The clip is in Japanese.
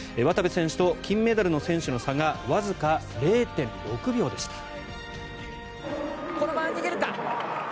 渡部選手と金メダルの選手の差がわずか０．６秒でした。